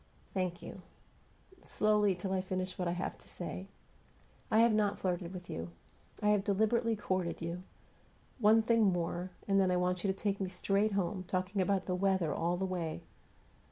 Thank you. Slowly, till I finish what I have to say. I have not flirted with you. I have deliberately courted you. One thing more, and then I want you to take me straight home, talking about the weather all the way.